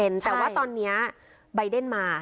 แต่ว่าตอนนี้ใบเดนมา